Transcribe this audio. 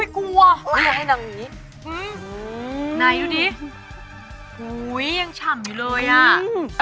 ไม่กลัวเห้ยให้นั่งอย่างนี้หื้มนายดูดิหูยยังฉ่ำอยู่เลยอะ